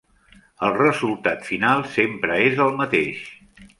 El resultat final sempre és el mateix.